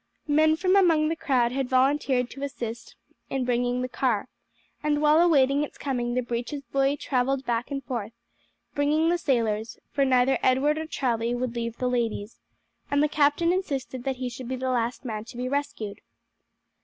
Men from among the crowd had volunteered to assist in bringing the car, and while awaiting its coming the breeches buoy travelled back and forth, bringing the sailors; for neither Edward nor Charlie would leave the ladies, and the captain insisted that he should be the last man to be rescued.